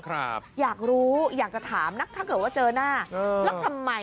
ครับอยากรู้อยากจะถามนะถ้าเกิดว่าเจอหน้าเออแล้วทำไม